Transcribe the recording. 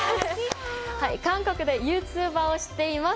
韓国でユーチューバーをしています